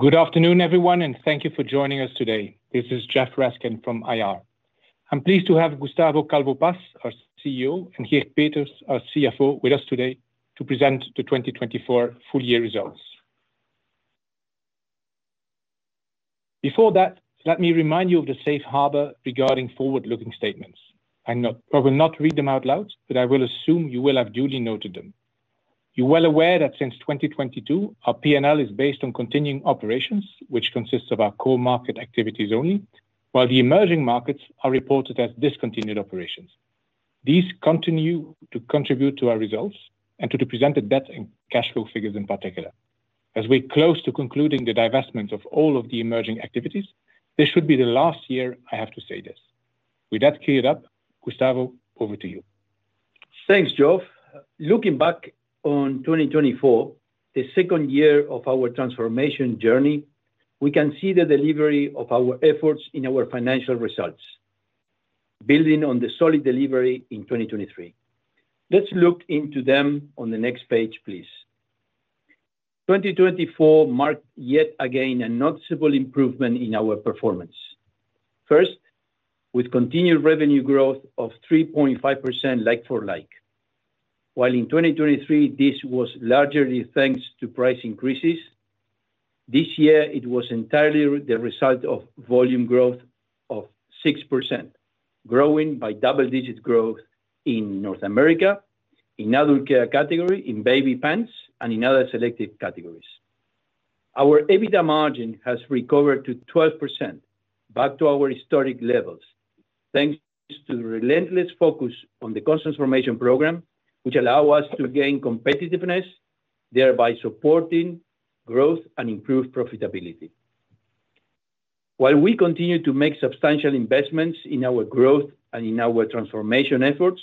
Good afternoon, everyone, and thank you for joining us today. This is Geoff Raskin, from IR. I'm pleased to have Gustavo Calvo Paz, our CEO, and Geert Peeters, our CFO, with us today to present the 2024 full-year results. Before that, let me remind you of the safe harbor regarding forward-looking statements. I will not read them out loud, but I will assume you will have duly noted them. You're well aware that since 2022, our P&L is based on continuing operations, which consists of our core market activities only, while the emerging markets are reported as discontinued operations. These continue to contribute to our results and to the presented debt and cash flow figures in particular. As we're close to concluding the divestment of all of the emerging activities, this should be the last year I have to say this. With that cleared up, Gustavo, over to you. Thanks, Geoff. Looking back on 2024, the second year of our transformation journey, we can see the delivery of our efforts in our financial results, building on the solid delivery in 2023. Let's look into them on the next page, please. 2024 marked yet again a noticeable improvement in our performance. First, with continued revenue growth of 3.5% like-for-like. While in 2023, this was largely thanks to price increases, this year it was entirely the result of volume growth of 6%, growing by double-digit growth in North America, in adult care category, in baby pants, and in other selected categories. Our EBITDA margin has recovered to 12%, back to our historic levels, thanks to the relentless focus on the cost transformation program, which allowed us to gain competitiveness, thereby supporting growth and improved profitability. While we continue to make substantial investments in our growth and in our transformation efforts,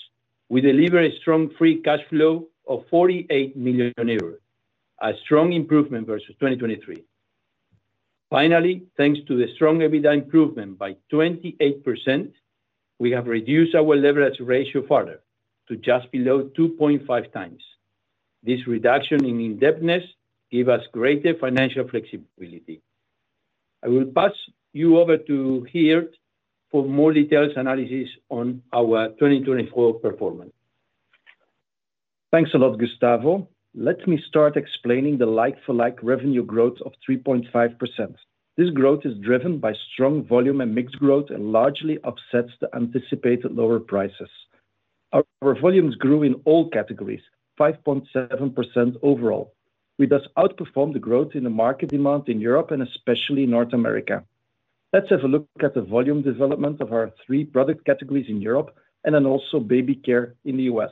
we deliver a strong free cash flow of €48 million, a strong improvement versus 2023. Finally, thanks to the strong EBITDA improvement by 28%, we have reduced our leverage ratio further to just below 2.5 times. This reduction in indebtedness gives us greater financial flexibility. I will pass you over to Geert for more detailed analysis on our 2024 performance. Thanks a lot, Gustavo. Let me start explaining the like-for-like revenue growth of 3.5%. This growth is driven by strong volume and mix growth and largely offsets the anticipated lower prices. Our volumes grew in all categories, 5.7% overall, with us outperforming the growth in the market demand in Europe and especially North America. Let's have a look at the volume development of our three product categories in Europe and then also baby care in the U.S.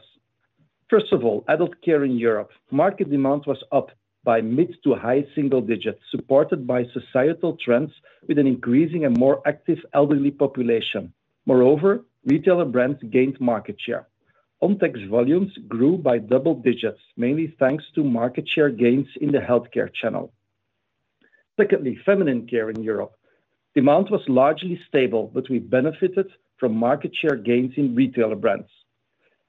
First of all, adult care in Europe. Market demand was up by mid to high single digits, supported by societal trends with an increasing and more active elderly population. Moreover, retailer brands gained market share. Ontex volumes grew by double digits, mainly thanks to market share gains in the healthcare channel. Secondly, feminine care in Europe. Demand was largely stable, but we benefited from market share gains in retailer brands.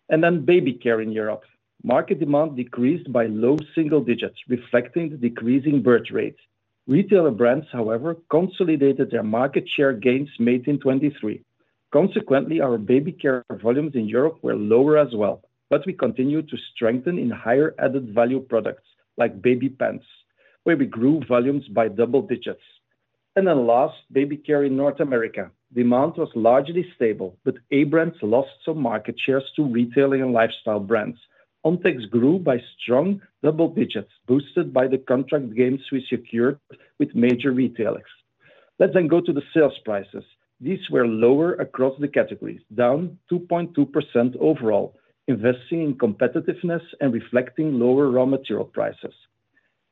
And then baby care in Europe. Market demand decreased by low single digits, reflecting the decreasing birth rate. Retailer brands, however, consolidated their market share gains made in 2023. Consequently, our baby care volumes in Europe were lower as well, but we continued to strengthen in higher added value products like baby pants, where we grew volumes by double digits. And then last, baby care in North America. Demand was largely stable, but A-brands lost some market shares to retail and lifestyle brands. Ontex grew by strong double digits, boosted by the contract gains we secured with major retailers. Let's then go to the sales prices. These were lower across the categories, down 2.2% overall, investing in competitiveness and reflecting lower raw material prices.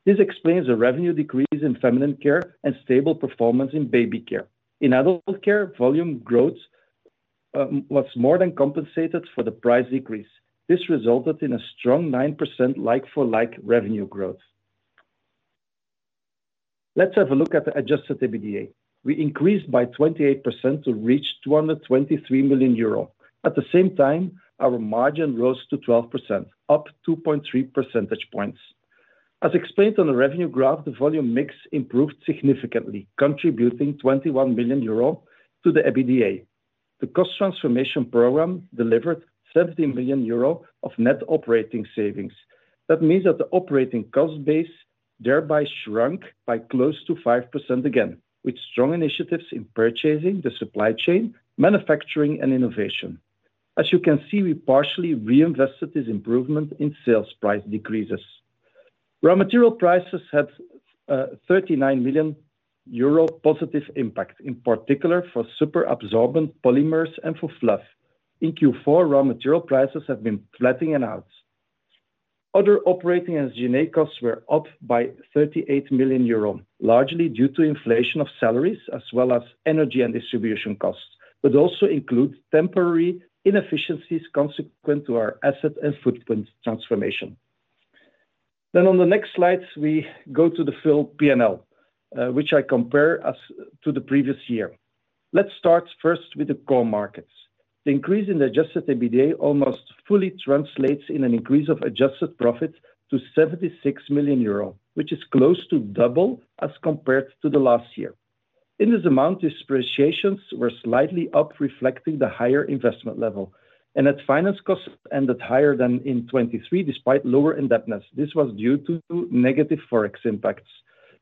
This explains the revenue decrease in feminine care and stable performance in baby care. In adult care, volume growth was more than compensated for the price decrease. This resulted in a strong 9% like-for-like revenue growth. Let's have a look at the adjusted EBITDA. We increased by 28% to reach €223 million. At the same time, our margin rose to 12%, up 2.3 percentage points. As explained on the revenue graph, the volume mix improved significantly, contributing €21 million to the EBITDA. The cost transformation program delivered €17 million of net operating savings. That means that the operating cost base thereby shrunk by close to 5% again, with strong initiatives in purchasing, the supply chain, manufacturing, and innovation. As you can see, we partially reinvested this improvement in sales price decreases. Raw material prices had a €39 million positive impact, in particular for superabsorbent polymers and for fluff. In Q4, raw material prices have been flattening out. Other operating and G&A costs were up by €38 million, largely due to inflation of salaries as well as energy and distribution costs, but also include temporary inefficiencies consequent to our asset and footprint transformation. Then on the next slide, we go to the full P&L, which I compare to the previous year. Let's start first with the core markets. The increase in the adjusted EBITDA almost fully translates in an increase of adjusted profit to €76 million, which is close to double as compared to the last year. In this amount, the depreciations were slightly up, reflecting the higher investment level. And that finance costs ended higher than in 2023, despite lower indebtedness. This was due to negative forex impacts.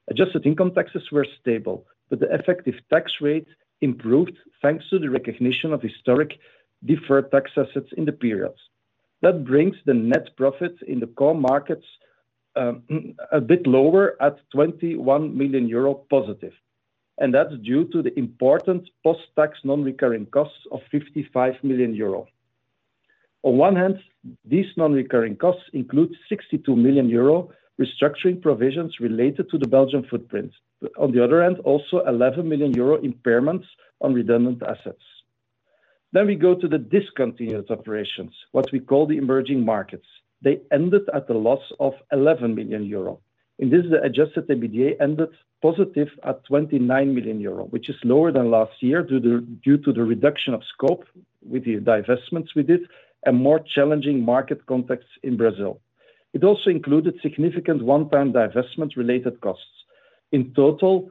Adjusted income taxes were stable, but the effective tax rate improved thanks to the recognition of historic deferred tax assets in the period. That brings the net profit in the core markets a bit lower at €21 million positive, and that's due to the important post-tax non-recurring costs of €55 million. On one hand, these non-recurring costs include €62 million restructuring provisions related to the Belgian footprint. On the other hand, also €11 million impairments on redundant assets, then we go to the discontinued operations, what we call the emerging markets. They ended at a loss of €11 million. In this, the adjusted EBITDA ended positive at €29 million, which is lower than last year due to the reduction of scope with the divestments we did and more challenging market contexts in Brazil. It also included significant one-time divestment-related costs. In total,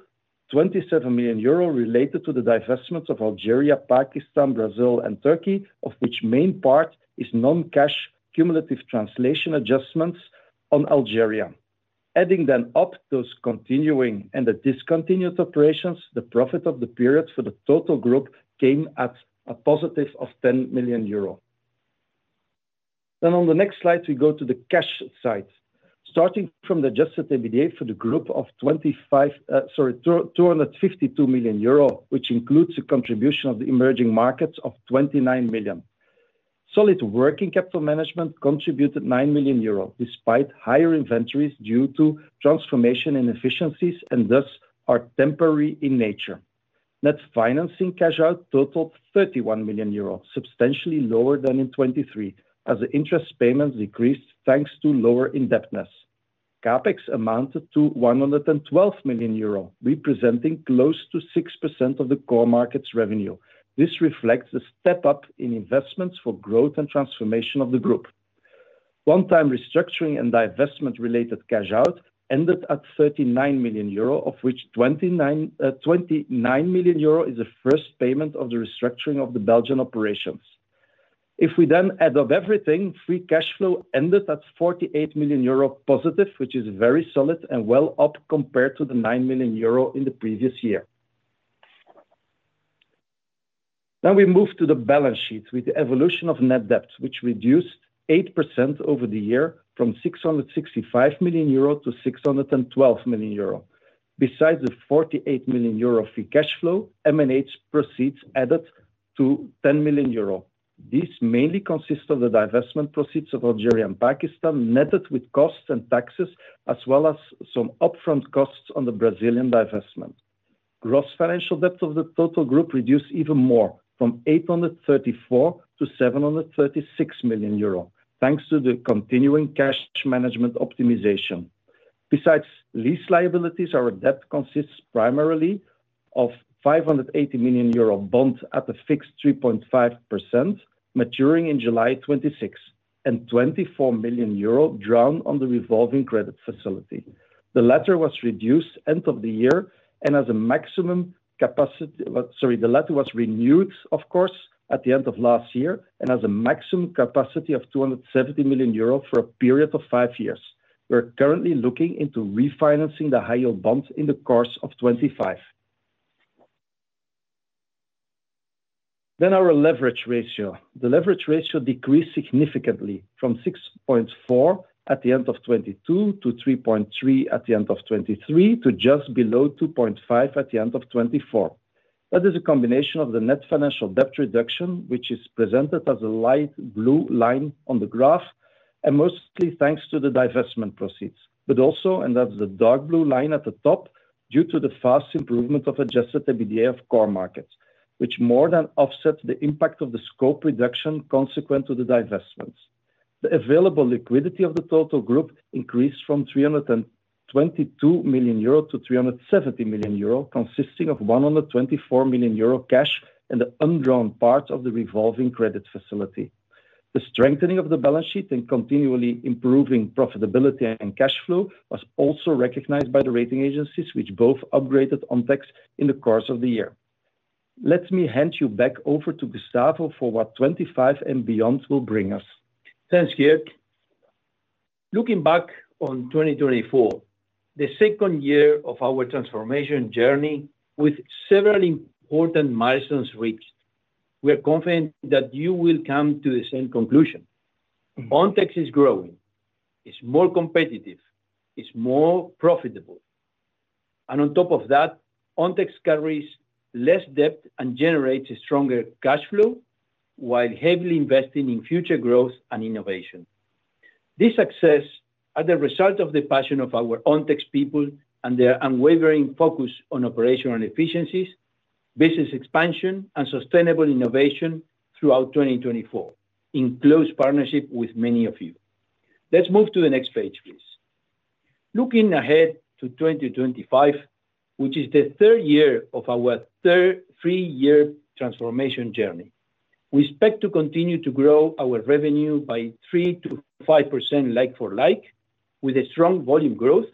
€27 million related to the divestments of Algeria, Pakistan, Brazil, and Turkey, of which the main part is non-cash cumulative translation adjustments on Algeria. Adding then up those continuing and the discontinued operations, the profit of the period for the total group came at a positive of €10 million. Then on the next slide, we go to the cash side. Starting from the adjusted EBITDA for the group of €252 million, which includes the contribution of the emerging markets of €29 million. Solid working capital management contributed €9 million, despite higher inventories due to transformation inefficiencies and thus are temporary in nature. Net financing cash out totaled €31 million, substantially lower than in 2023, as the interest payments decreased thanks to lower indebtedness. CapEx amounted to €112 million, representing close to 6% of the core markets' revenue. This reflects the step-up in investments for growth and transformation of the group. One-time restructuring and divestment-related cash out ended at €39 million, of which €29 million is the first payment of the restructuring of the Belgian operations. If we then add up everything, free cash flow ended at €48 million positive, which is very solid and well up compared to the €9 million in the previous year. Then we move to the balance sheet with the evolution of net debt, which reduced 8% over the year from €665 million to €612 million. Besides the €48 million free cash flow, M&A proceeds added to €10 million. These mainly consist of the divestment proceeds of Algeria and Pakistan, netted with costs and taxes, as well as some upfront costs on the Brazilian divestment. Gross financial debt of the total group reduced even more from €834 to €736 million, thanks to the continuing cash management optimization. Besides lease liabilities, our debt consists primarily of €580 million bond at a fixed 3.5%, maturing in July 2026, and €24 million drawn on the revolving credit facility. The latter was reduced at the end of the year, and as a maximum capacity, sorry, the latter was renewed, of course, at the end of last year, and as a maximum capacity of €270 million for a period of five years. We're currently looking into refinancing the high-yield bond in the course of 2025. Then our leverage ratio. The leverage ratio decreased significantly from 6.4 at the end of 2022 to 3.3 at the end of 2023, to just below 2.5 at the end of 2024. That is a combination of the net financial debt reduction, which is presented as a light blue line on the graph, and mostly thanks to the divestment proceeds. But also, and that's the dark blue line at the top, due to the fast improvement of adjusted EBITDA of core markets, which more than offsets the impact of the scope reduction consequent to the divestments. The available liquidity of the total group increased from €322 million to €370 million, consisting of €124 million cash and the undrawn part of the revolving credit facility. The strengthening of the balance sheet and continually improving profitability and cash flow was also recognized by the rating agencies, which both upgraded Ontex in the course of the year. Let me hand you back over to Gustavo for what 2025 and beyond will bring us. Thanks, Geert. Looking back on 2024, the second year of our transformation journey with several important milestones reached, we are confident that you will come to the same conclusion. Ontex is growing, is more competitive, is more profitable. And on top of that, Ontex carries less debt and generates a stronger cash flow while heavily investing in future growth and innovation. This success is the result of the passion of our Ontex people and their unwavering focus on operational efficiencies, business expansion, and sustainable innovation throughout 2024, in close partnership with many of you. Let's move to the next page, please. Looking ahead to 2025, which is the third year of our three-year transformation journey, we expect to continue to grow our revenue by 3%-5% like-for-like, with a strong volume growth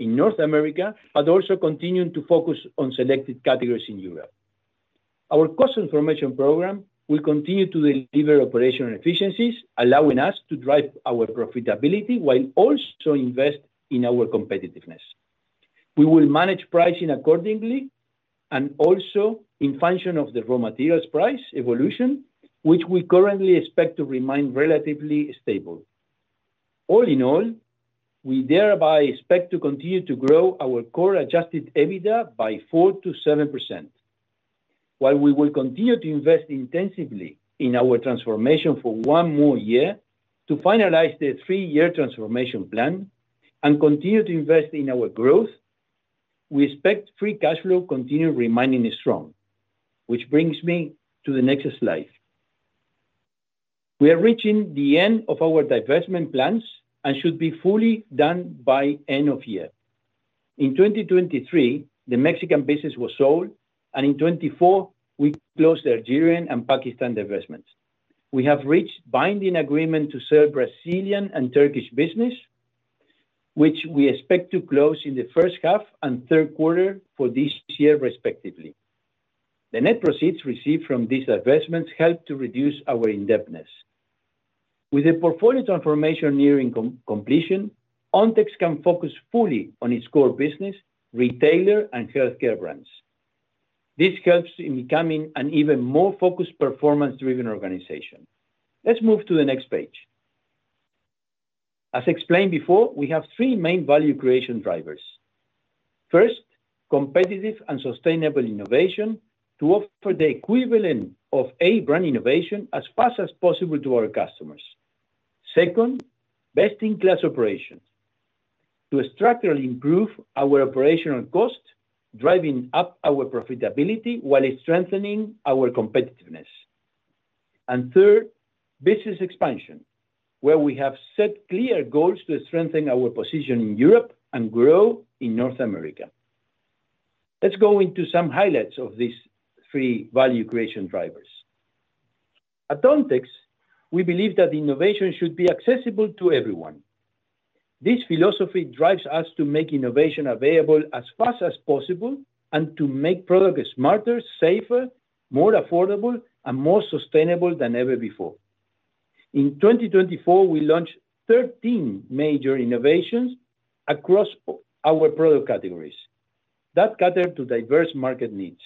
in North America, but also continuing to focus on selected categories in Europe. Our cost transformation program will continue to deliver operational efficiencies, allowing us to drive our profitability while also investing in our competitiveness. We will manage pricing accordingly and also in function of the raw materials price evolution, which we currently expect to remain relatively stable. All in all, we thereby expect to continue to grow our core adjusted EBITDA by 4%-7%. While we will continue to invest intensively in our transformation for one more year to finalize the three-year transformation plan and continue to invest in our growth, we expect free cash flow to continue remaining strong, which brings me to the next slide. We are reaching the end of our divestment plans and should be fully done by the end of the year. In 2023, the Mexican business was sold, and in 2024, we closed the Algerian and Pakistan divestments. We have reached binding agreements to sell Brazilian and Turkish business, which we expect to close in the first half and third quarter for this year, respectively. The net proceeds received from these divestments help to reduce our indebtedness. With the portfolio transformation nearing completion, Ontex can focus fully on its core business, retailer, and healthcare brands. This helps in becoming an even more focused, performance-driven organization. Let's move to the next page. As explained before, we have three main value creation drivers. First, competitive and sustainable innovation to offer the equivalent of A-brand innovation as fast as possible to our customers. Second, best-in-class operations to structurally improve our operational cost, driving up our profitability while strengthening our competitiveness. And third, business expansion, where we have set clear goals to strengthen our position in Europe and grow in North America. Let's go into some highlights of these three value creation drivers. At Ontex, we believe that innovation should be accessible to everyone. This philosophy drives us to make innovation available as fast as possible and to make products smarter, safer, more affordable, and more sustainable than ever before. In 2024, we launched 13 major innovations across our product categories that cater to diverse market needs.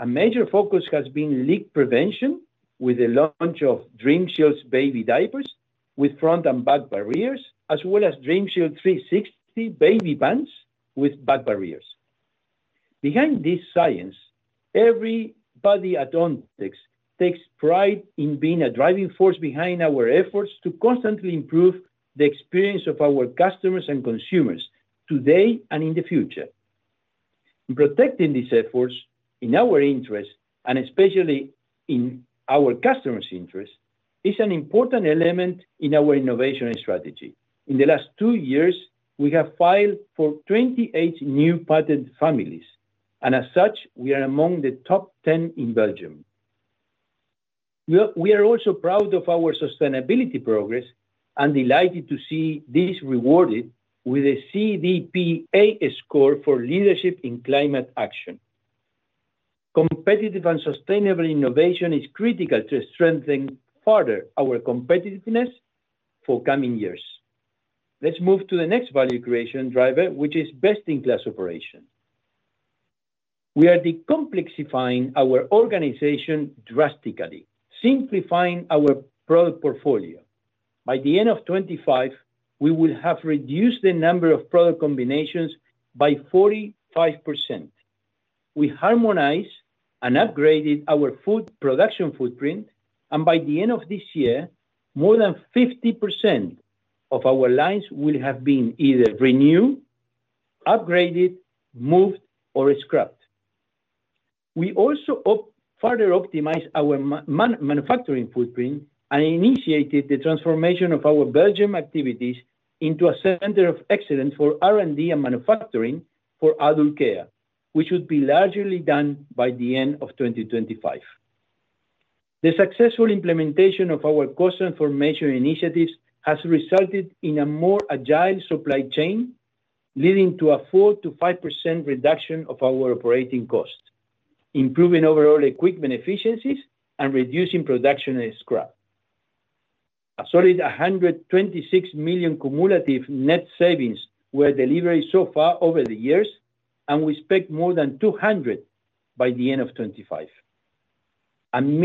A major focus has been leak prevention with the launch of Dreamshield baby diapers with front and back barriers, as well as Dreamshield 360 baby pants with back barriers. Behind this science, everybody at Ontex takes pride in being a driving force behind our efforts to constantly improve the experience of our customers and consumers today and in the future. Protecting these efforts in our interests, and especially in our customers' interests, is an important element in our innovation strategy. In the last two years, we have filed for 28 new patent families, and as such, we are among the top 10 in Belgium. We are also proud of our sustainability progress and delighted to see this rewarded with a CDP A score for leadership in climate action. Competitive and sustainable innovation is critical to strengthen further our competitiveness for coming years. Let's move to the next value creation driver, which is best-in-class operation. We are decomplexifying our organization drastically, simplifying our product portfolio. By the end of 2025, we will have reduced the number of product combinations by 45%. We harmonized and upgraded our fluff production footprint, and by the end of this year, more than 50% of our lines will have been either renewed, upgraded, moved, or scrapped. We also further optimized our manufacturing footprint and initiated the transformation of our Belgian activities into a center of excellence for R&D and manufacturing for adult care, which should be largely done by the end of 2025. The successful implementation of our cost transformation initiatives has resulted in a more agile supply chain, leading to a 4%-5% reduction of our operating costs, improving overall equipment efficiencies and reducing production and scrap. A solid €126 million cumulative net savings were delivered so far over the years, and we expect more than 200 by the end of 2025. And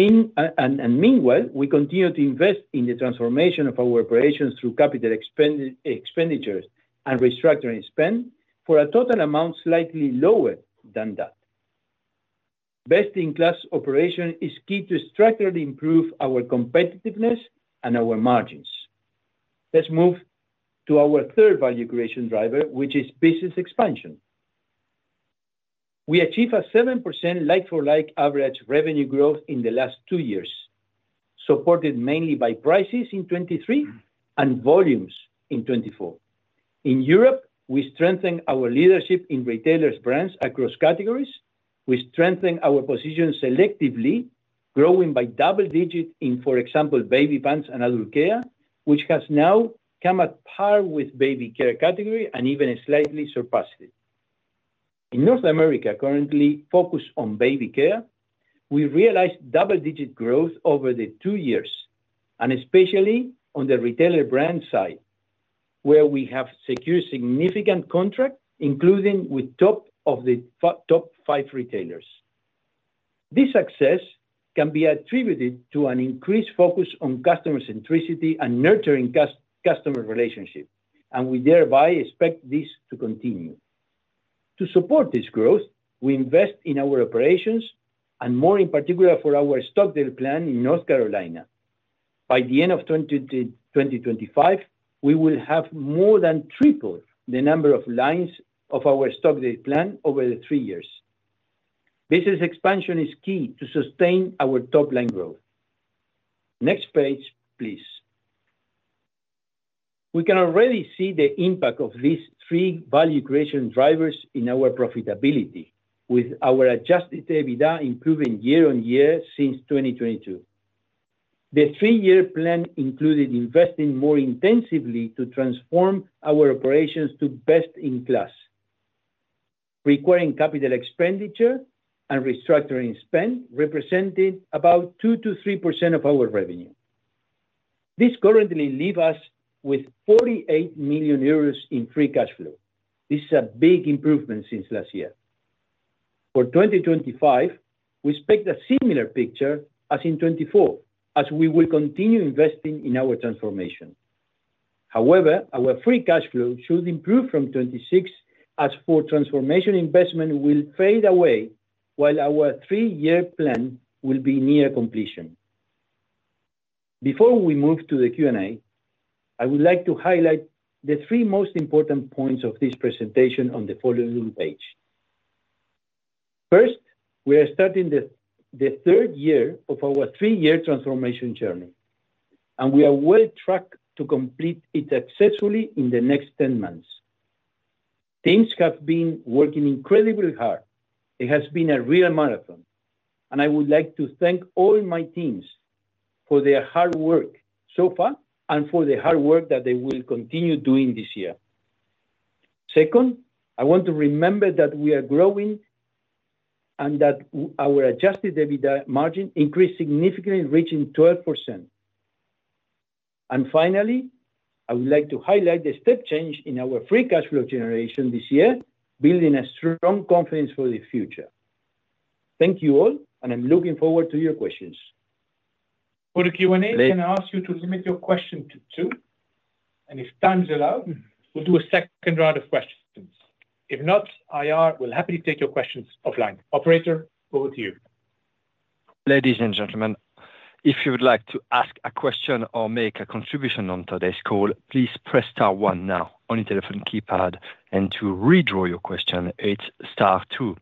meanwhile, we continue to invest in the transformation of our operations through capital expenditures and restructuring spend for a total amount slightly lower than that. Best-in-class operation is key to structurally improve our competitiveness and our margins. Let's move to our third value creation driver, which is business expansion. We achieved a 7% like-for-like average revenue growth in the last two years, supported mainly by prices in 2023 and volumes in 2024. In Europe, we strengthened our leadership in retailers' brands across categories. We strengthened our position selectively, growing by double digits in, for example, baby pants and adult care, which has now come on par with baby care category and even slightly surpassed it. In North America, currently focused on baby care, we realized double-digit growth over the two years, and especially on the retailer brand side, where we have secured significant contracts, including with top of the top five retailers. This success can be attributed to an increased focus on customer centricity and nurturing customer relationships, and we thereby expect this to continue. To support this growth, we invest in our operations and, more in particular, for our Stokesdale plant in North Carolina. By the end of 2025, we will have more than tripled the number of lines of our Stokesdale plant over the three years. Business expansion is key to sustain our top-line growth. Next page, please. We can already see the impact of these three value creation drivers in our profitability, with our adjusted EBITDA improving year on year since 2022. The three-year plan included investing more intensively to transform our operations to best-in-class, requiring capital expenditure and restructuring spend representing about 2%-3% of our revenue. This currently leaves us with €48 million in free cash flow. This is a big improvement since last year. For 2025, we expect a similar picture as in 2024, as we will continue investing in our transformation. However, our free cash flow should improve from 2026, as transformation investment will fade away while our three-year plan will be near completion. Before we move to the Q&A, I would like to highlight the three most important points of this presentation on the following page. First, we are starting the third year of our three-year transformation journey, and we are well on track to complete it successfully in the next 10 months. Teams have been working incredibly hard. It has been a real marathon, and I would like to thank all my teams for their hard work so far and for the hard work that they will continue doing this year. Second, I want to remember that we are growing and that our adjusted EBITDA margin increased significantly, reaching 12%. And finally, I would like to highlight the step change in our free cash flow generation this year, building a strong confidence for the future. Thank you all, and I'm looking forward to your questions. For the Q&A, can I ask you to limit your question to two? And if time's allowed, we'll do a second round of questions. If not, IR will happily take your questions offline. Operator, over to you. Ladies and gentlemen, if you would like to ask a question or make a contribution on today's call, please press star one now on your telephone keypad, and to withdraw your question, hit star two.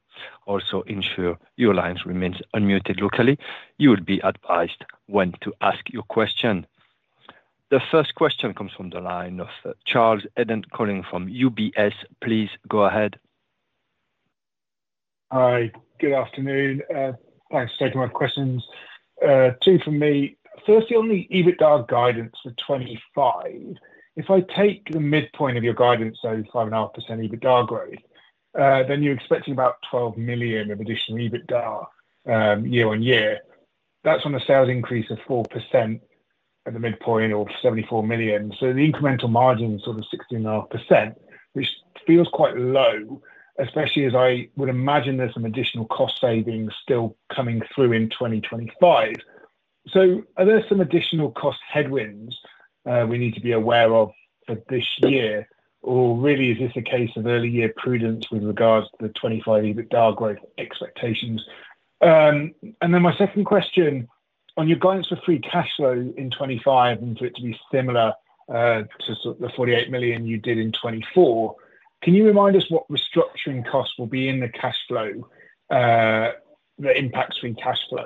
Also, ensure your lines remain unmuted locally. You will be advised when to ask your question. The first question comes from the line of Charles Eden calling from UBS. Please go ahead. Hi, good afternoon. Thanks for taking my questions. Two for me. Firstly, on the EBITDA guidance for 2025, if I take the midpoint of your guidance, so 5.5% EBITDA growth, then you're expecting about €12 million of additional EBITDA year on year. That's on a sales increase of 4% at the midpoint of €74 million. So the incremental margin is sort of 16.5%, which feels quite low, especially as I would imagine there's some additional cost savings still coming through in 2025. So are there some additional cost headwinds we need to be aware of for this year? Or really, is this a case of early year prudence with regards to the 2025 EBITDA growth expectations? Then my second question, on your guidance for free cash flow in 2025, and for it to be similar to the €48 million you did in 2024, can you remind us what restructuring costs will be in the cash flow, the impacts in cash flow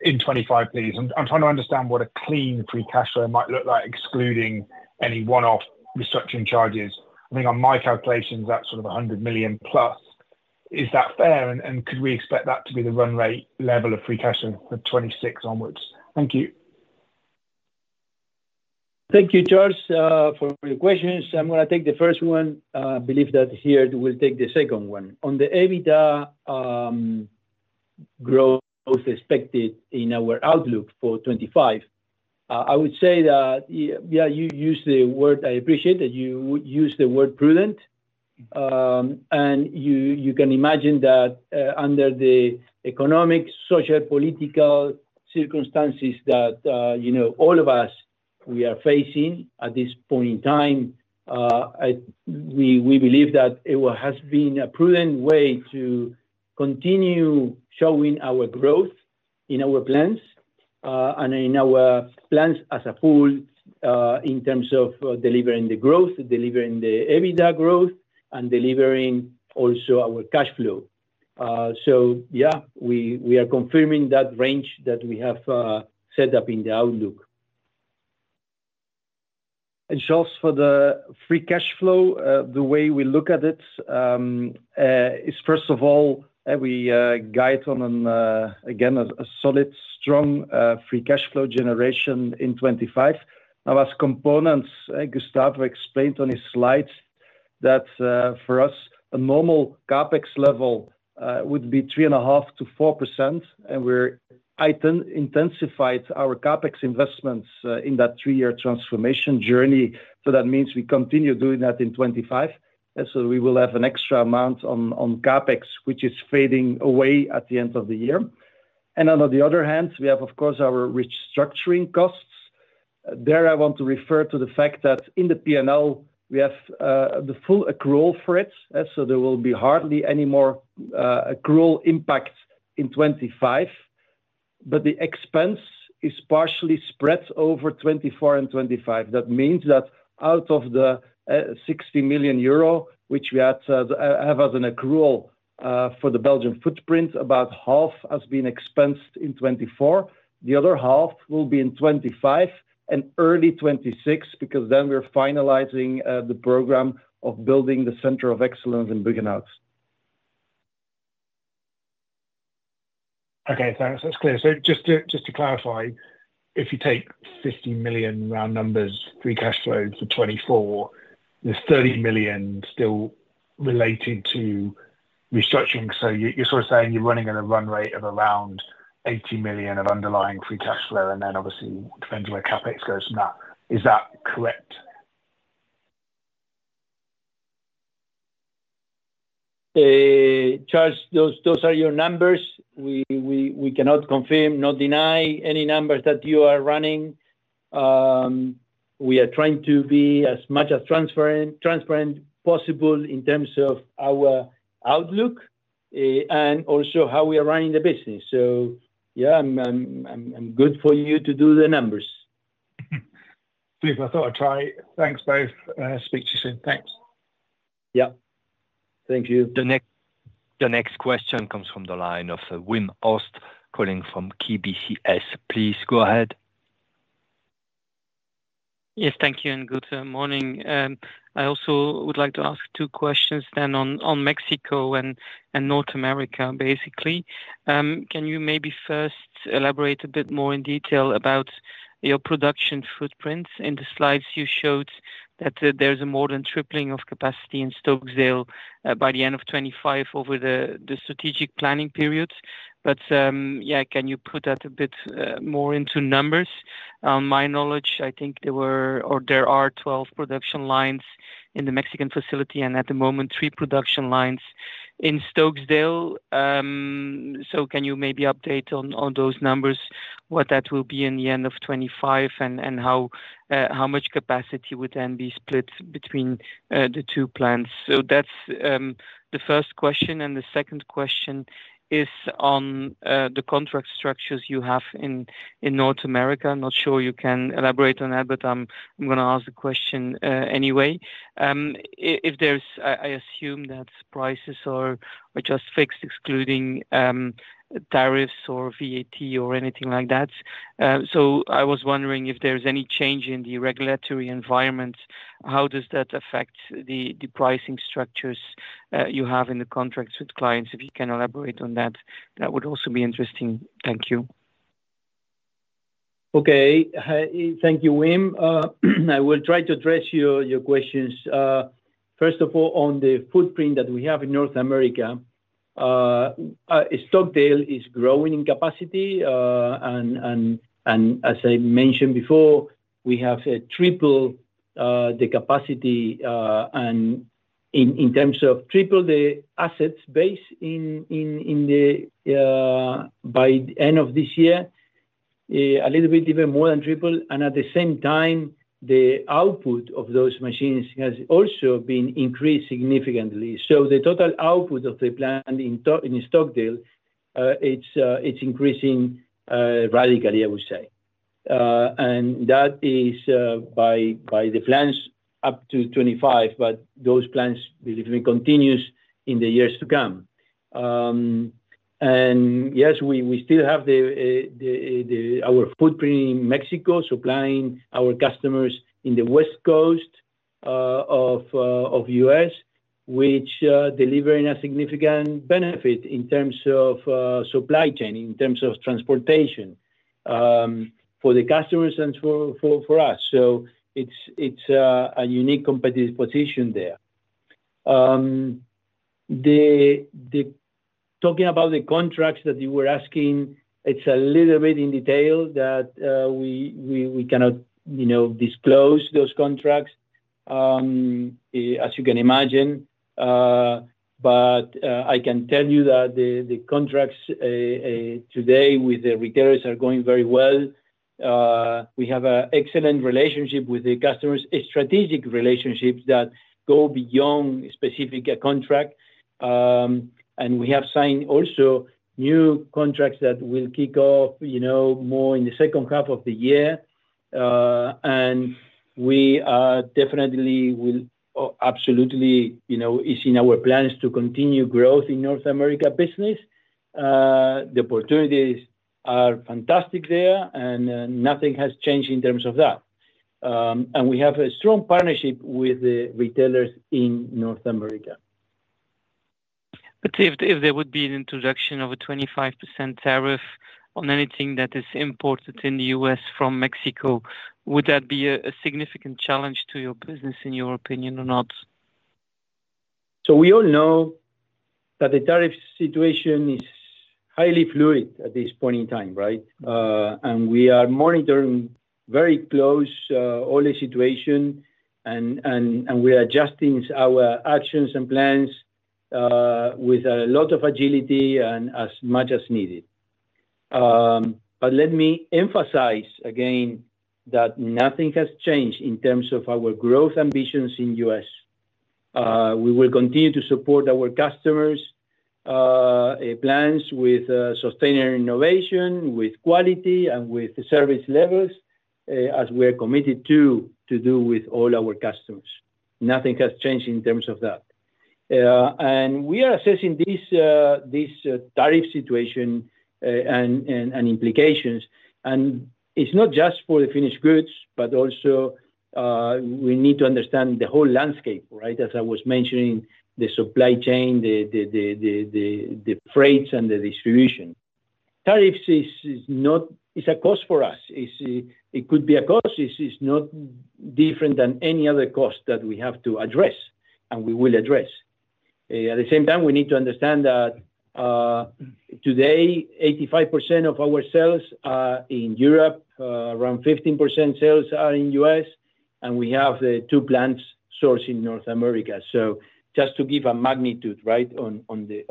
in 2025, please? I'm trying to understand what a clean free cash flow might look like, excluding any one-off restructuring charges. I think on my calculations, that's sort of €100 million plus. Is that fair? And could we expect that to be the run rate level of free cash flow for 2026 onwards? Thank you. Thank you, Charles, for your questions. I'm going to take the first one. I believe that here we'll take the second one. On the EBITDA growth expected in our outlook for 2025, I would say that, yeah, you used the word, I appreciate that you used the word prudent. And you can imagine that under the economic, social, political circumstances that all of us, we are facing at this point in time, we believe that it has been a prudent way to continue showing our growth in our plans and in our plans as a whole in terms of delivering the growth, delivering the EBITDA growth, and delivering also our cash flow, so yeah, we are confirming that range that we have set up in the outlook. Charles, for the free cash flow, the way we look at it is, first of all, we guide on, again, a solid, strong free cash flow generation in 2025. Now, as components, Gustavo explained on his slides that for us, a normal CapEx level would be 3.5%-4%, and we've intensified our CapEx investments in that three-year transformation journey. That means we continue doing that in 2025. We will have an extra amount on CapEx, which is fading away at the end of the year. On the other hand, we have, of course, our restructuring costs. There, I want to refer to the fact that in the P&L, we have the full accrual for it. There will be hardly any more accrual impact in 2025, but the expense is partially spread over 2024 and 2025. That means that out of the €60 million, which we have as an accrual for the Belgian footprint, about half has been expensed in 2024. The other half will be in 2025 and early 2026, because then we're finalizing the program of building the Center of Excellence in Buggenhout. Okay, thanks. That's clear. So just to clarify, if you take €50 million round numbers, free cash flow for 2024, there's €30 million still related to restructuring. So you're sort of saying you're running at a run rate of around €80 million of underlying free cash flow, and then obviously, it depends where CapEx goes from that. Is that correct? Charles, those are your numbers. We cannot confirm or deny any numbers that you are running. We are trying to be as transparent as possible in terms of our outlook and also how we are running the business. So yeah, I'm good for you to do the numbers. Please, let's have a try. Thanks, both. Speak to you soon. Thanks. Yeah. Thank you. The next question comes from the line of Wim Hoste calling from KBC Securities. Please go ahead. Yes, thank you, and good morning. I also would like to ask two questions then on Mexico and North America, basically. Can you maybe first elaborate a bit more in detail about your production footprint? In the slides you showed that there's a more than tripling of capacity in Stokesdale by the end of 2025 over the strategic planning period. But yeah, can you put that a bit more into numbers? On my knowledge, I think there were or there are 12 production lines in the Mexican facility and at the moment, three production lines in Stokesdale. So can you maybe update on those numbers, what that will be in the end of 2025 and how much capacity would then be split between the two plants? So that's the first question. And the second question is on the contract structures you have in North America. Not sure you can elaborate on that, but I'm going to ask the question anyway. If there's, I assume that prices are just fixed, excluding tariffs or VAT or anything like that. So I was wondering if there's any change in the regulatory environment, how does that affect the pricing structures you have in the contracts with clients? If you can elaborate on that, that would also be interesting. Thank you. Okay. Thank you, Wim. I will try to address your questions. First of all, on the footprint that we have in North America, Stokesdale is growing in capacity, and as I mentioned before, we have tripled the capacity in terms of tripled the assets base by the end of this year, a little bit even more than tripled, and at the same time, the output of those machines has also been increased significantly, so the total output of the plant in Stokesdale, it's increasing radically, I would say, and that is by the plants up to 2025, but those plants will continue in the years to come, and yes, we still have our footprint in Mexico, supplying our customers in the West Coast of the U.S., which delivers a significant benefit in terms of supply chain, in terms of transportation for the customers and for us. So it's a unique competitive position there. Talking about the contracts that you were asking, it's a little bit in detail that we cannot disclose those contracts, as you can imagine. But I can tell you that the contracts today with the retailers are going very well. We have an excellent relationship with the customers, strategic relationships that go beyond a specific contract. And we have signed also new contracts that will kick off more in the second half of the year. And we definitely will absolutely see in our plans to continue growth in North America business. The opportunities are fantastic there, and nothing has changed in terms of that. And we have a strong partnership with the retailers in North America. But if there would be an introduction of a 25% tariff on anything that is imported in the U.S. from Mexico, would that be a significant challenge to your business, in your opinion, or not? So we all know that the tariff situation is highly fluid at this point in time, right? And we are monitoring very close all the situation, and we are adjusting our actions and plans with a lot of agility and as much as needed. But let me emphasize again that nothing has changed in terms of our growth ambitions in the U.S. We will continue to support our customers' plans with sustainable innovation, with quality, and with service levels, as we are committed to do with all our customers. Nothing has changed in terms of that. And we are assessing this tariff situation and implications. And it's not just for the finished goods, but also we need to understand the whole landscape, right? As I was mentioning, the supply chain, the freights, and the distribution. Tariffs is a cost for us. It could be a cost. It's not different than any other cost that we have to address and we will address. At the same time, we need to understand that today, 85% of our sales are in Europe, around 15% sales are in the U.S., and we have two plants sourcing North America. So just to give a magnitude, right, on this,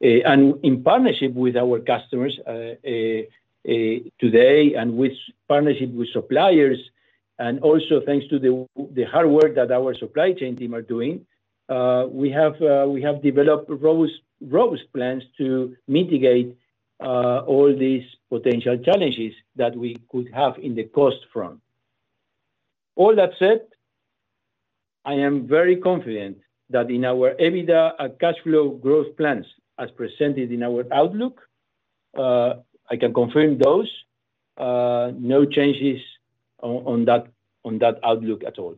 and in partnership with our customers today and with partnership with suppliers, and also thanks to the hard work that our supply chain team are doing, we have developed robust plans to mitigate all these potential challenges that we could have in the cost front. All that said, I am very confident that in our EBITDA and cash flow growth plans as presented in our outlook, I can confirm those. No changes on that outlook at all.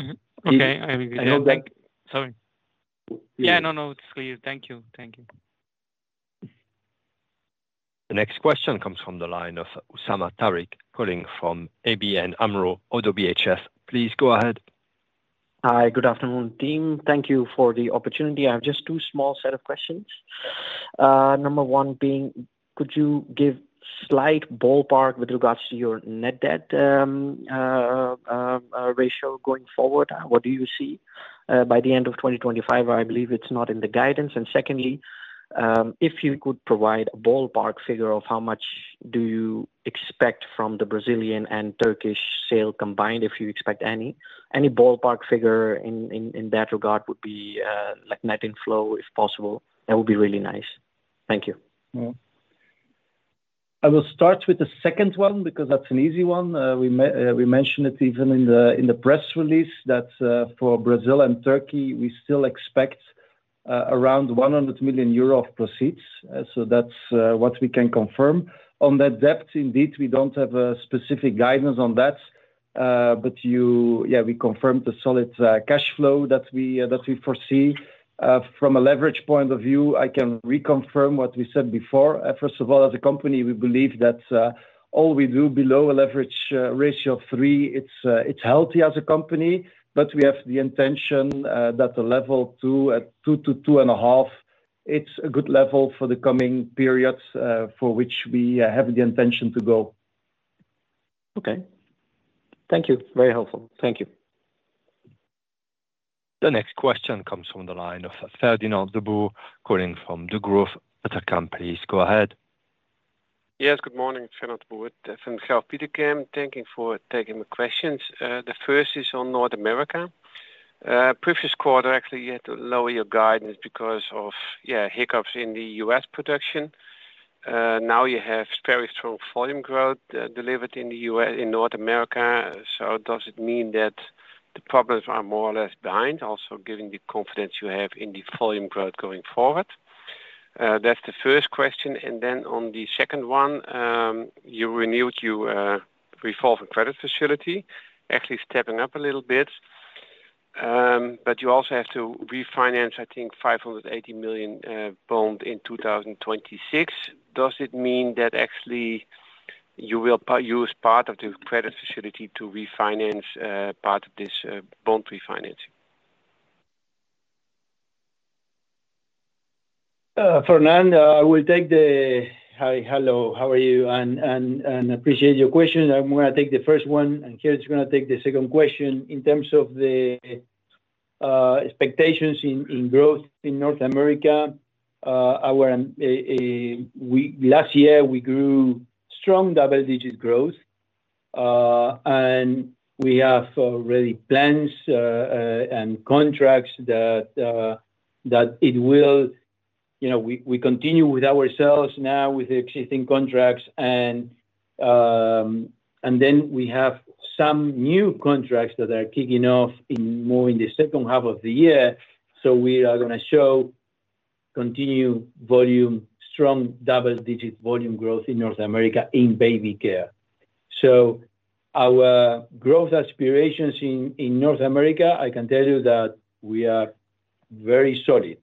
Okay. I hope that. I hope that. Sorry. Yeah, no, no, it's clear. Thank you. Thank you. The next question comes from the line of Osama Tariq calling from ABN AMRO, ODDO BHF. Please go ahead. Hi, good afternoon, team. Thank you for the opportunity. I have just two small set of questions. Number one being, could you give a slight ballpark with regards to your net debt ratio going forward? What do you see by the end of 2025? I believe it's not in the guidance. And secondly, if you could provide a ballpark figure of how much do you expect from the Brazilian and Turkish sale combined, if you expect any? Any ballpark figure in that regard would be net inflow, if possible. That would be really nice. Thank you. I will start with the second one because that's an easy one. We mentioned it even in the press release that for Brazil and Turkey, we still expect around €100 million of proceeds. So that's what we can confirm. On that front, indeed, we don't have a specific guidance on that. But yeah, we confirmed the solid cash flow that we foresee. From a leverage point of view, I can reconfirm what we said before. First of all, as a company, we believe that operating below a leverage ratio of three is healthy as a company. But we have the intention to go to 2-2.5; it's a good level for the coming periods for which we have the intention to go. Okay. Thank you. Very helpful. Thank you. The next question comes from the line of Fernand de Boer calling from Degroof Petercam. Please go ahead. Yes, good morning, Fernand de Boer. From Degroof Petercam, thanking for taking my questions. The first is on North America. Previous quarter, actually, you had to lower your guidance because of, yeah, hiccups in the U.S. production. Now you have very strong volume growth delivered in the U.S. in North America. So does it mean that the problems are more or less behind, also giving the confidence you have in the volume growth going forward? That's the first question. And then on the second one, you renewed your revolving credit facility, actually stepping up a little bit. But you also have to refinance, I think, €580 million bond in 2026. Does it mean that actually you will use part of the credit facility to refinance part of this bond refinancing? Fernand, I will take the hi, hello, how are you? And I appreciate your question. I'm going to take the first one, and Karel's going to take the second question. In terms of the expectations in growth in North America, last year, we grew strong double-digit growth. And we have already plans and contracts that it will we continue with ourselves now with the existing contracts. And then we have some new contracts that are kicking off in more in the second half of the year. So we are going to show continued volume, strong double-digit volume growth in North America in baby care. So our growth aspirations in North America, I can tell you that we are very solid.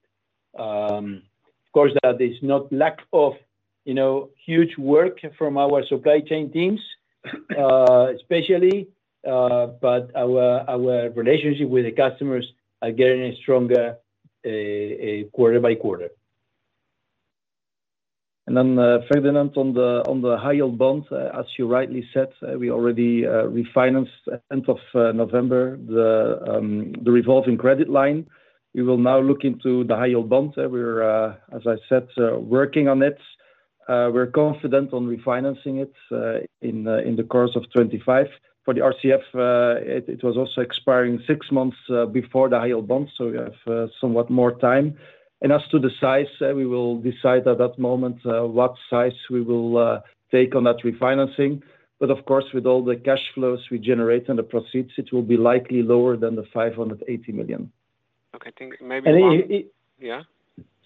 Of course, that is not lack of huge work from our supply chain teams, especially, but our relationship with the customers are getting stronger quarter by quarter. And then Fernand on the high-yield bonds, as you rightly said, we already refinanced at the end of November the revolving credit line. We will now look into the high-yield bonds. We're, as I said, working on it. We're confident on refinancing it in the course of 2025. For the RCF, it was also expiring six months before the high-yield bonds. So we have somewhat more time. And as to the size, we will decide at that moment what size we will take on that refinancing. But of course, with all the cash flows we generate and the proceeds, it will be likely lower than the €580 million. Okay. Think maybe the. And he. Yeah?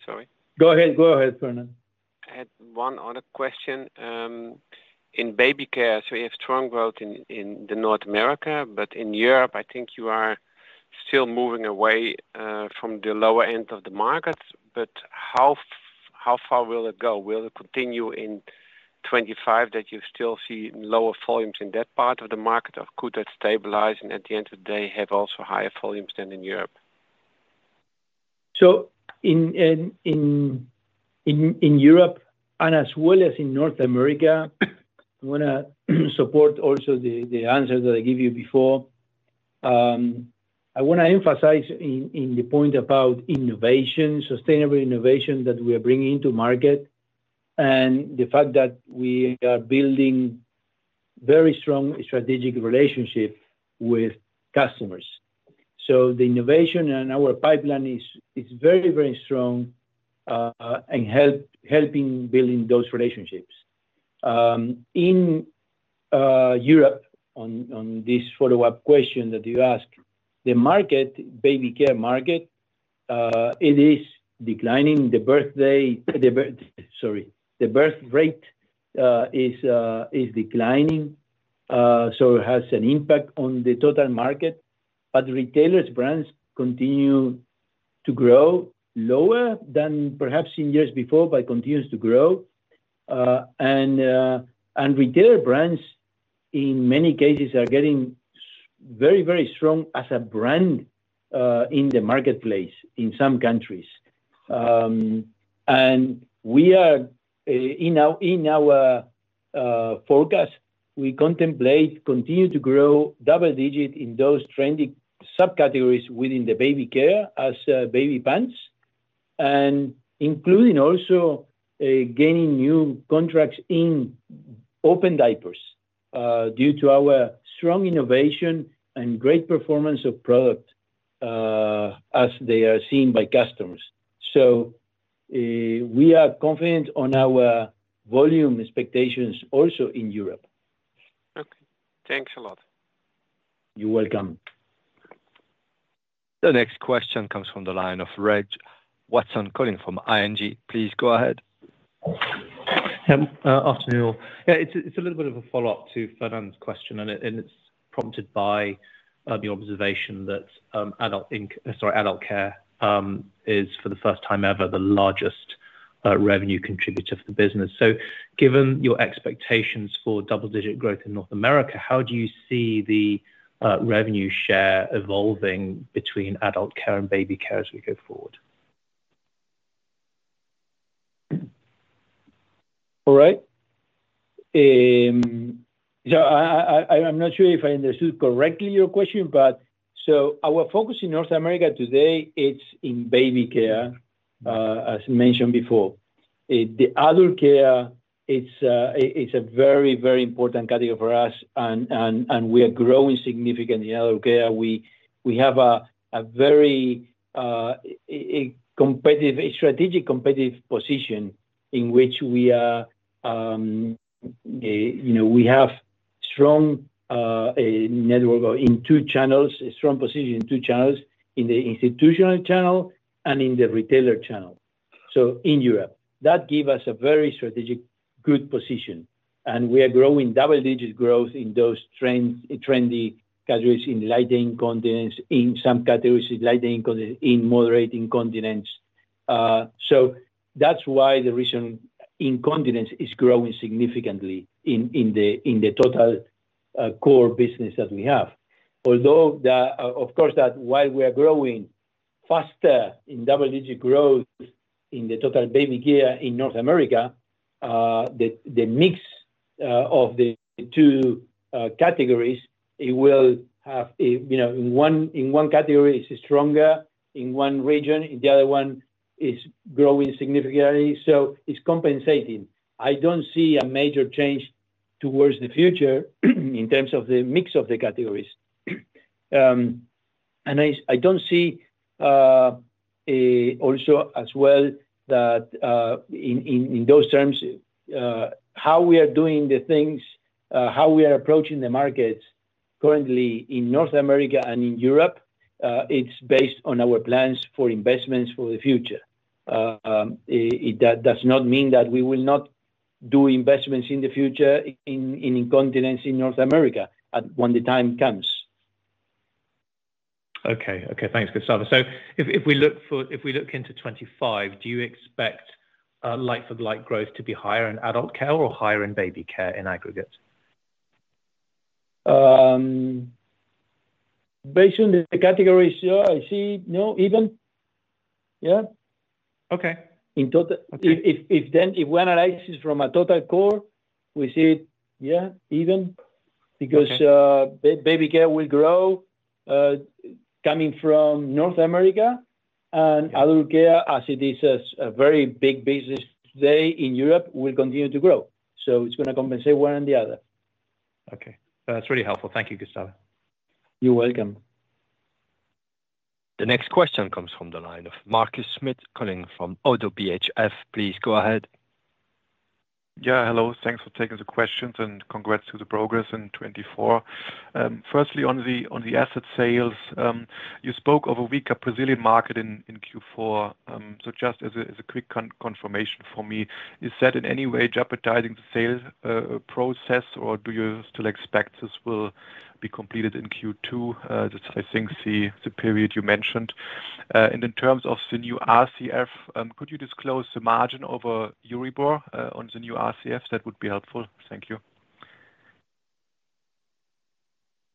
Sorry. Go ahead, Fernand. I had one other question. In baby care, so you have strong growth in North America, but in Europe, I think you are still moving away from the lower end of the market. But how far will it go? Will it continue in 2025 that you still see lower volumes in that part of the market? Or could that stabilize and at the end of the day, have also higher volumes than in Europe? So in Europe, and as well as in North America, I want to support also the answer that I gave you before. I want to emphasize in the point about innovation, sustainable innovation that we are bringing into market, and the fact that we are building very strong strategic relationships with customers. So the innovation and our pipeline is very, very strong in helping build those relationships. In Europe, on this follow-up question that you asked, the baby care market, it is declining. The birthday, sorry, the birth rate is declining. So it has an impact on the total market. But retailers' brands continue to grow lower than perhaps in years before, but continues to grow. And retailer brands, in many cases, are getting very, very strong as a brand in the marketplace in some countries. In our forecast, we contemplate continuing to grow double-digit in those trendy subcategories within the baby care as baby pants, and including also gaining new contracts in open diapers due to our strong innovation and great performance of product as they are seen by customers. We are confident on our volume expectations also in Europe. Okay. Thanks a lot. You're welcome. The next question comes from the line of Reg Watson calling from ING. Please go ahead. Yeah. Afternoon. Yeah, it's a little bit of a follow-up to Fernand's question, and it's prompted by the observation that adult inc, sorry, adult care is for the first time ever the largest revenue contributor for the business. So given your expectations for double-digit growth in North America, how do you see the revenue share evolving between adult care and baby care as we go forward? All right. So I'm not sure if I understood correctly your question, but so our focus in North America today, it's in baby care, as mentioned before. The adult care, it's a very, very important category for us, and we are growing significantly in adult care. We have a very strategic competitive position in which we have a strong network in two channels, a strong position in two channels, in the institutional channel and in the retailer channel. So in Europe, that gives us a very strategic good position. And we are growing double-digit growth in those trendy categories in light incontinence, in some categories in light incontinence, in moderate incontinence. So that's why the reason incontinence is growing significantly in the total core business that we have. Although, of course, that while we are growing faster in double-digit growth in the total baby care in North America, the mix of the two categories, it will have in one category, it's stronger in one region. In the other one, it's growing significantly. So it's compensating. I don't see a major change towards the future in terms of the mix of the categories. And I don't see also as well that in those terms, how we are doing the things, how we are approaching the markets currently in North America and in Europe, it's based on our plans for investments for the future. That does not mean that we will not do investments in the future in incontinence in North America when the time comes. Okay. Okay. Thanks, Gustavo. So if we look into 2025, do you expect like-for-like growth to be higher in adult care or higher in baby care in aggregate? Based on the categories, yeah, I see no even. Yeah. Okay. If we analyze it from a total core, we see it because baby care will grow coming from North America. And adult care, as it is a very big business today in Europe, will continue to grow. So it's going to compensate one and the other. Okay. That's really helpful. Thank you, Gustavo. You're welcome. The next question comes from the line of Markus Schmitt calling from ODDO BHF. Please go ahead. Yeah. Hello. Thanks for taking the questions and congrats to the progress in 2024. Firstly, on the asset sales, you spoke of a weaker Brazilian market in Q4. So just as a quick confirmation for me, is that in any way jeopardizing the sale process, or do you still expect this will be completed in Q2? That's, I think, the period you mentioned. And in terms of the new RCF, could you disclose the margin over Euribor on the new RCF? That would be helpful. Thank you.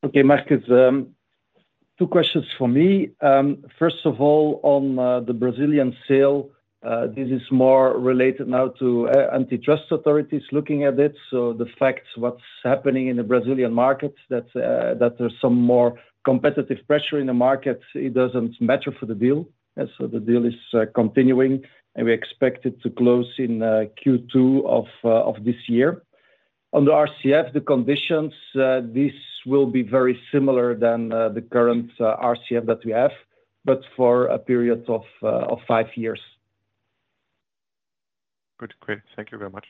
Okay, Markus, two questions for me. First of all, on the Brazilian sale, this is more related now to antitrust authorities looking at it. So the facts, what's happening in the Brazilian market, that there's some more competitive pressure in the market, it doesn't matter for the deal. So the deal is continuing, and we expect it to close in Q2 of this year. On the RCF, the conditions, this will be very similar than the current RCF that we have, but for a period of five years. Good. Great. Thank you very much.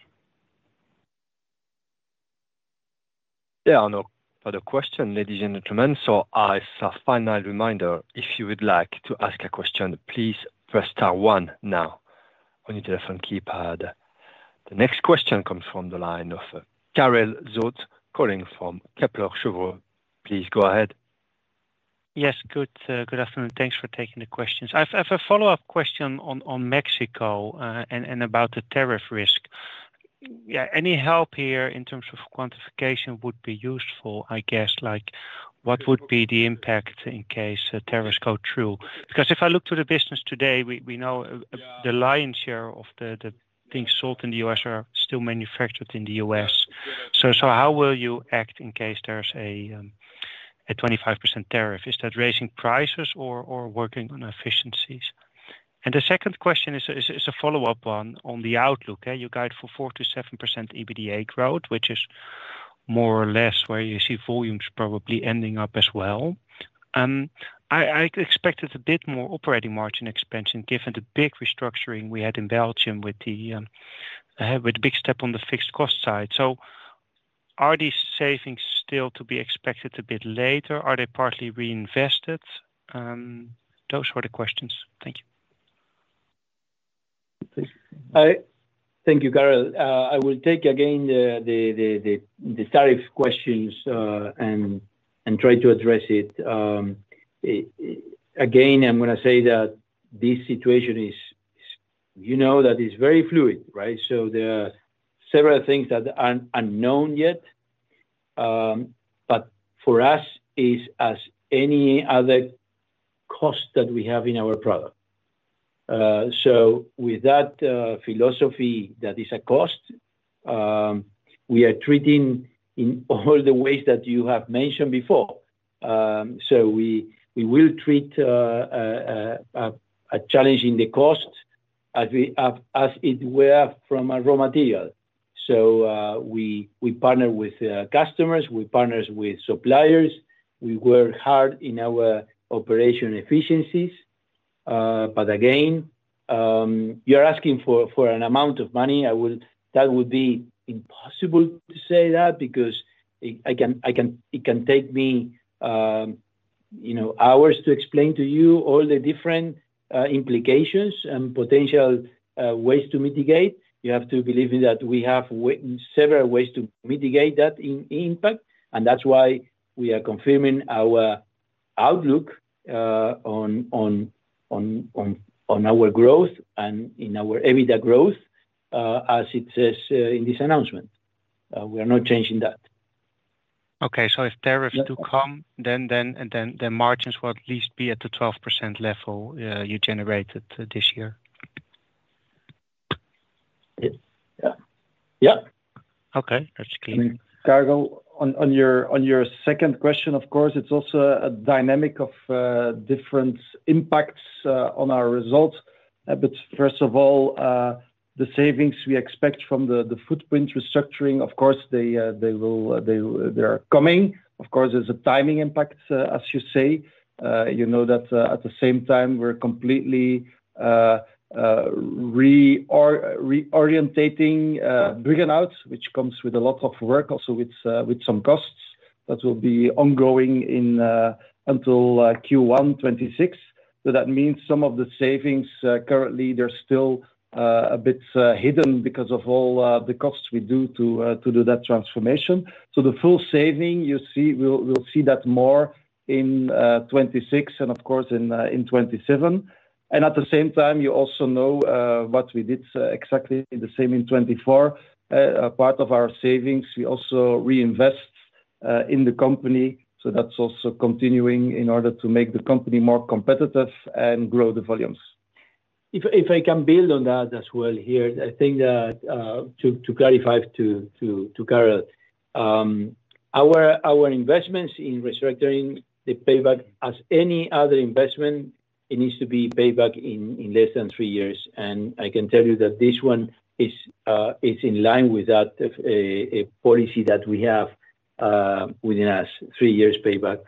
There are no further questions, ladies and gentlemen. So as a final reminder, if you would like to ask a question, please press star one now on your telephone keypad. The next question comes from the line of Karel Zoete calling from Kepler Cheuvreux. Please go ahead. Yes. Good afternoon. Thanks for taking the questions. I have a follow-up question on Mexico and about the tariff risk. Yeah. Any help here in terms of quantification would be useful, I guess. What would be the impact in case tariffs go through? Because if I look to the business today, we know the lion's share of the things sold in the U.S. are still manufactured in the U.S. So how will you act in case there's a 25% tariff? Is that raising prices or working on efficiencies? And the second question is a follow-up one on the outlook. You guide for 4%-7% EBITDA growth, which is more or less where you see volumes probably ending up as well. I expected a bit more operating margin expansion given the big restructuring we had in Belgium with the big step on the fixed cost side. So are these savings still to be expected a bit later? Are they partly reinvested? Those were the questions. Thank you. Thank you, Karel. I will take again the tariff questions and try to address it. Again, I'm going to say that this situation, you know that it's very fluid, right? So there are several things that are unknown yet, but for us, it's as any other cost that we have in our product. So with that philosophy that is a cost, we are treating in all the ways that you have mentioned before. So we will treat a challenge in the cost as it were from a raw material. So we partner with customers, we partner with suppliers, we work hard in our operation efficiencies. But again, you're asking for an amount of money. That would be impossible to say that because it can take me hours to explain to you all the different implications and potential ways to mitigate. You have to believe that we have several ways to mitigate that impact. And that's why we are confirming our outlook on our growth and in our EBITDA growth, as it says in this announcement. We are not changing that. Okay. So if tariffs do come, then the margins will at lEast be at the 12% level you generated this year. Yeah. Yeah. Okay. That's clear. Karel, on your second question, of course, it's also a dynamic of different impacts on our results. But first of all, the savings we expect from the footprint restructuring, of course, they are coming. Of course, there's a timing impact, as you say. You know that at the same time, we're completely reorientating Buggenhout, which comes with a lot of work, also with some costs that will be ongoing until Q1 2026. So that means some of the savings currently, they're still a bit hidden because of all the costs we do to do that transformation. So the full saving, you see, we'll see that more in 2026 and, of course, in 2027. At the same time, you also know what we did exactly the same in 2024. Part of our savings, we also reinvest in the company. So that's also continuing in order to make the company more competitive and grow the volumes. If I can build on that as well here, I think that to clarify to Karel, our investments in restructuring, the payback, as any other investment, it needs to be payback in less than three years. I can tell you that this one is in line with that policy that we have within us, three years payback.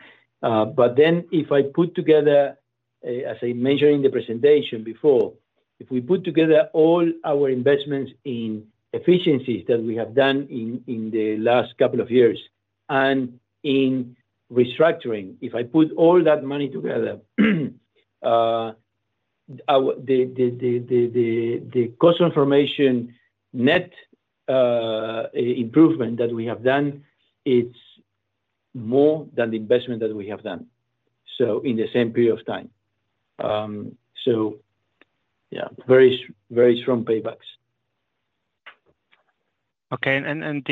Then if I put together, as I mentioned in the presentation before, if we put together all our investments in efficiencies that we have done in the last couple of years and in restructuring, if I put all that money together, the cost transformation net improvement that we have done, it's more than the investment that we have done in the same period of time. Yeah, very strong paybacks. Okay. And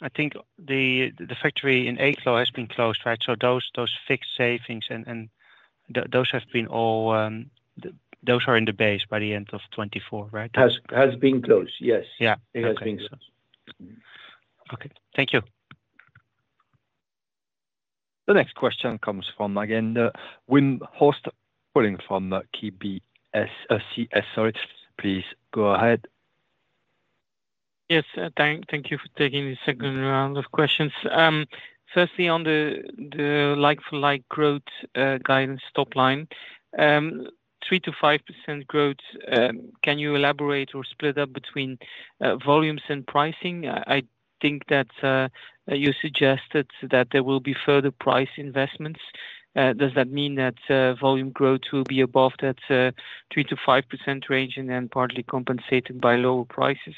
I think the factory in Eeklo has been closed, right? So those fixed savings, and those have been all those are in the base by the end of 2024, right? Has been closed, yes. Yeah. It has been closed. Okay. Thank you. The next question comes from again the Wim Hoste calling from KBC Securities. Sorry. Please go ahead. Yes. Thank you for taking the second round of questions. Firstly, on the like-for-like growth guidance top line, 3%-5% growth, can you elaborate or split up between volumes and pricing? I think that you suggested that there will be further price investments. Does that mean that volume growth will be above that 3%-5% range and then partly compensated by lower prices?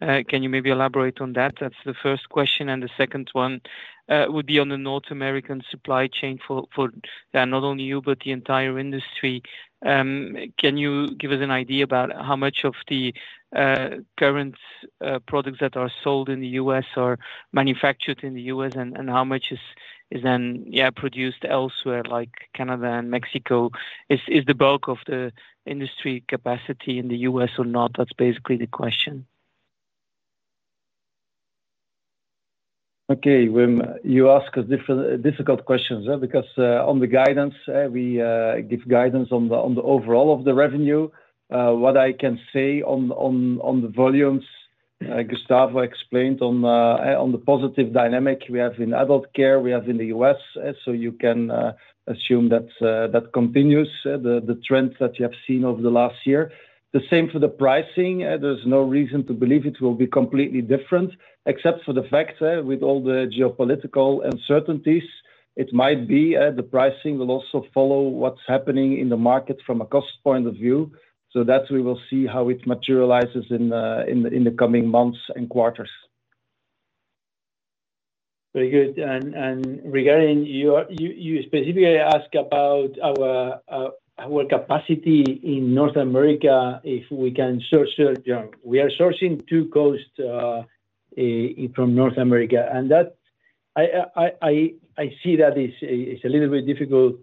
Can you maybe elaborate on that? That's the first question. And the second one would be on the North American supply chain for not only you, but the entire industry. Can you give us an idea about how much of the current products that are sold in the U.S. are manufactured in the U.S., and how much is then produced elsewhere, like Canada and Mexico? Is the bulk of the industry capacity in the U.S. or not? That's basically the question. Okay. You ask a difficult question because on the guidance, we give guidance on the overall of the revenue. What I can say on the volumes, Gustavo explained on the positive dynamic we have in adult care, we have in the U.S. So you can assume that continues the trends that you have seen over the last year. The same for the pricing. There's no reason to believe it will be completely different, except for the fact with all the geopolitical uncertainties, it might be the pricing will also follow what's happening in the market from a cost point of view. So that we will see how it materializes in the coming months and quarters. Very good. And regarding your, you specifically asked about our capacity in North America if we can source. We are sourcing to both coasts from North America. I see that it's a little bit difficult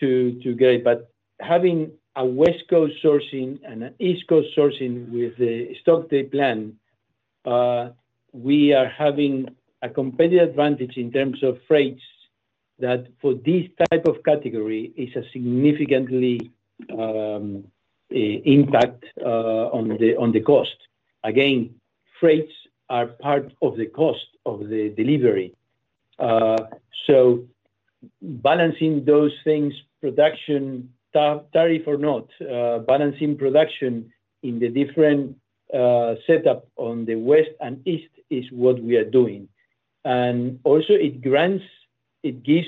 to get it. Having a West Coast sourcing and an East Coast sourcing with the Stokesdale plant, we are having a competitive advantage in terms of freights that for this type of category is a significantly impact on the cost. Again, freights are part of the cost of the delivery. Balancing those things, protection tariff or not, balancing production in the different setup on the West and East is what we are doing. It also gives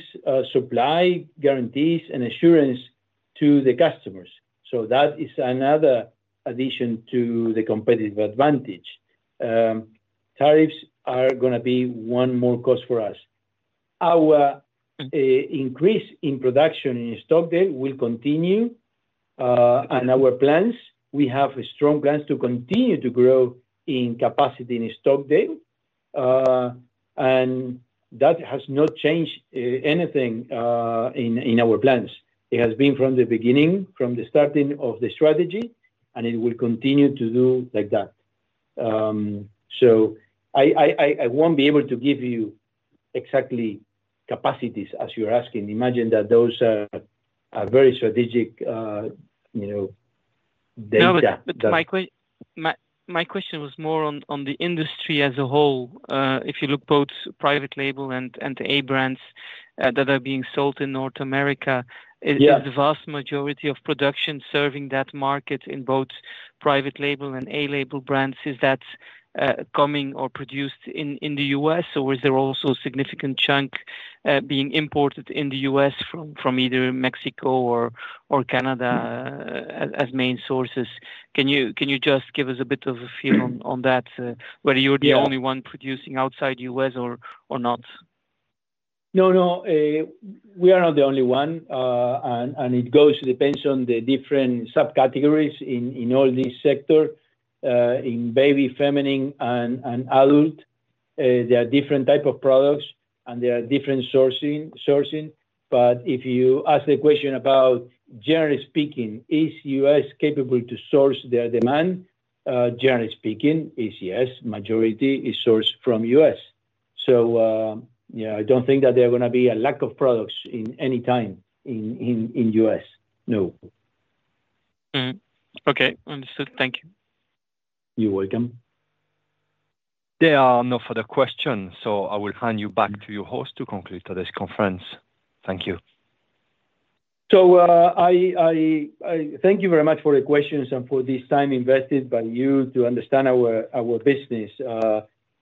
supply guarantees and assurance to the customers. That is another addition to the competitive advantage. Tariffs are going to be one more cost for us. Our increase in production in Stokesdale will continue. We have strong plans to continue to grow in capacity in Stokesdale. That has not changed anything in our plans. It has been from the beginning, from the starting of the strategy, and it will continue to do like that. So I won't be able to give you exactly capacities as you're asking. Imagine that those are very strategic. No, but my question was more on the industry as a whole. If you look both private label and A-brands that are being sold in North America, is the vast majority of production serving that market in both private label and A-label brands, is that coming or produced in the U.S., or is there also a significant chunk being imported in the U.S. from either Mexico or Canada as main sources? Can you just give us a bit of a feel on that, whether you're the only one producing outside the U.S. or not? No, no. We are not the only one, and it goes to depends on the different subcategories in all these sectors, in baby, feminine, and adult. There are different types of products, and there are different sourcing, but if you ask the question about generally speaking, is U.S. capable to source their demand? Generally speaking, yes, majority is sourced from U.S. So yeah, I don't think that there are going to be a lack of products in any time in U.S. No. Okay. Understood. Thank you. You're welcome. There are no further questions, so I will hand you back to your host to conclude today's conference. Thank you. So I thank you very much for the questions and for this time invested by you to understand our business.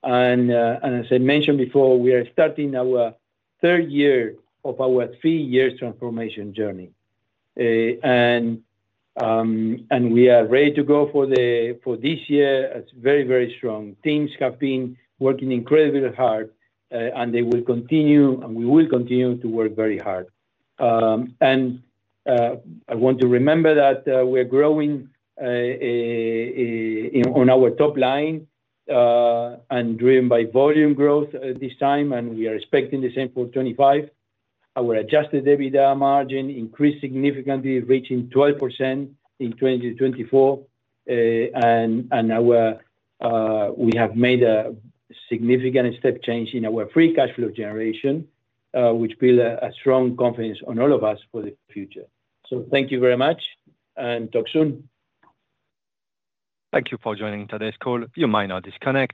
And as I mentioned before, we are starting our third year of our three years transformation journey. And we are ready to go for this year. It's very, very strong. Teams have been working incredibly hard, and they will continue, and we will continue to work very hard. And I want to remember that we are growing on our top line and driven by volume growth this time, and we are expecting the same for 2025. Our adjusted EBITDA margin increased significantly, reaching 12% in 2024. And we have made a significant step change in our free cash flow generation, which builds a strong confidence on all of us for the future. So thank you very much, and talk soon. Thank you for joining today's call. You may now disconnect.